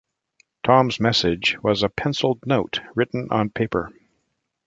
Thom's message was a "penciled note" written on paper.